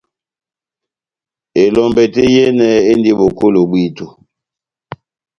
Elombɛ tɛ́h yehenɛ endi bokolo bwito.